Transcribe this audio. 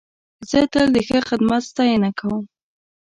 زه تل د ښه خدمت ستاینه کوم.